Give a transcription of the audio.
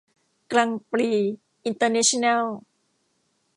กรังด์ปรีซ์ อินเตอร์เนชั่นแนล